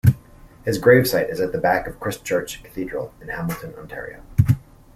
His gravesite is at the back of Christ Church Cathedral in Hamilton, Ontario.